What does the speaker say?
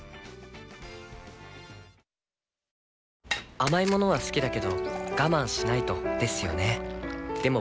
甘い物は好きだけど我慢しないとですよね